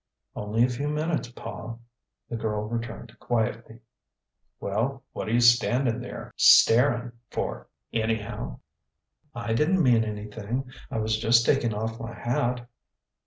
"Only a few minutes, pa," the girl returned quietly. "Well what're you standing there staring! for, anyhow?" "I didn't mean anything: I was just taking off my hat."